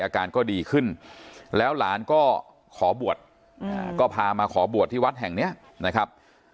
อาการก็ดีขึ้นแล้วหลานก็ขอบวชก็พามาขอบวชที่วัดแห่งนี้นะครับ